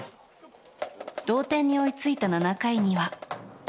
同点に追いついた７回には。